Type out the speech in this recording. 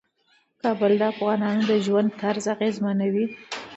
کابل د افغانانو د ژوند طرز اغېزمنوي.